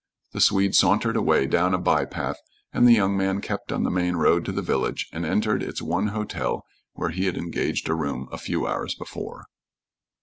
The Swede sauntered away down a by path, and the young man kept on the main road to the village and entered its one hotel where he had engaged a room a few hours before.